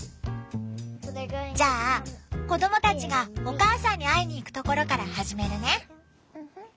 じゃあ子供たちがお母さんに会いに行くところから始めるね。